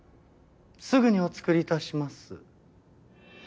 すぐにお作り致します。